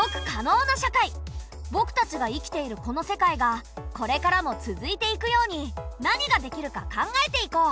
ぼくたちが生きているこの世界がこれからも続いていくように何ができるか考えていこう！